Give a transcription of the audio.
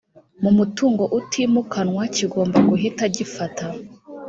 mu mutungo utimukanwa kigomba guhita gifata